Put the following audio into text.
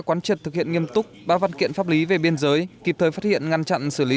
quán triệt thực hiện nghiêm túc ba văn kiện pháp lý về biên giới kịp thời phát hiện ngăn chặn xử lý